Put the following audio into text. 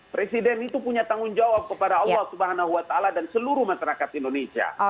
presiden itu punya tanggung jawab kepada allah swt dan seluruh masyarakat indonesia